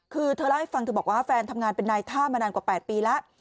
คือเธอเล่าให้ฟังเธอบอกว่าแฟนทำงานเป็นนายท่ามานานกว่า๘ปีแล้ว